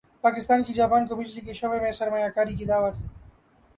پاکستان کی جاپان کو بجلی کے شعبے میں سرمایہ کاری کی دعوت